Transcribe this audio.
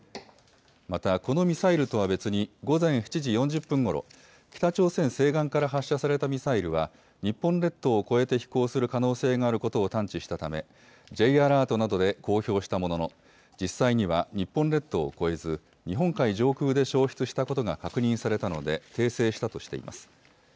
また、このミサイルとは別に、午前７時４０分ごろ、北朝鮮西岸から発射されたミサイルは、日本列島を越えて飛行する可能性があることを探知したため、Ｊアラートなどで公表したものの、実際には日本列島を越えず、日本海上空で消失したことが確認されたので訂正したとしています。